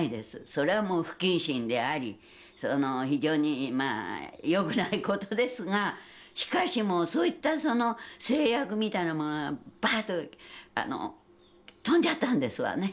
それはもう不謹慎でありその非常によくないことですがしかしもうそういったその制約みたいなものがバッととんじゃったんですわね。